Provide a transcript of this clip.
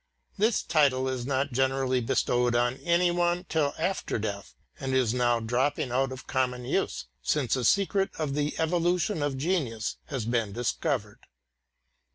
This title is not generally bestowed on any one till after death and is now dropping out of common use, since the secret of the evolution of genius has been discovered.